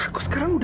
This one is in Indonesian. aku akan menangis